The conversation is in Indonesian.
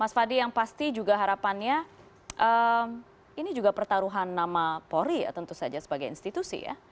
mas fadli yang pasti juga harapannya ini juga pertaruhan nama polri ya tentu saja sebagai institusi ya